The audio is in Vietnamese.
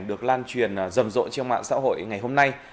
được lan truyền rầm rộ trên mạng xã hội ngày hôm nay